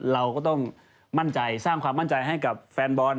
เราก็ต้องมั่นใจสร้างความมั่นใจให้กับแฟนบอล